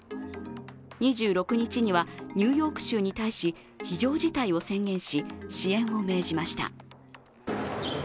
２６日にはニューヨーク州に対し非常事態を宣言し支援を命じました。